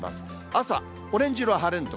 朝、オレンジ色は晴れの所。